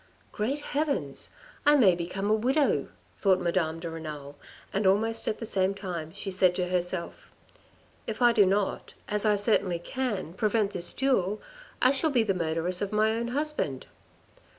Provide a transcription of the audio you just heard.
" Great Heavens ! I may become a widow," thought Madame de Renal, and almost at the same time she said to herself, " If I do not, as I certainly can, prevent this duel, I shall be the murderess of my own husband."